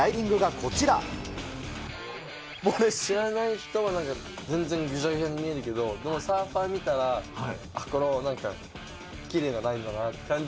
これ、知らない人は全然ぐちゃぐちゃに見えるけど、でもサーファーが見たら、この、なんかきれいなラインだなっていう感じ。